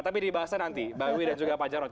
ini akan dibahas nanti pak wiwi dan juga pak jarot